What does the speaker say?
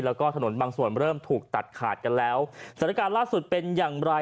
แล้วก็ถนนบางส่วนเริ่มถูกตัดขาดกันแล้วสถานการณ์ล่าสุดเป็นอย่างไร